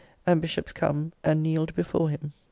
] and bishops come, and kneeled before him.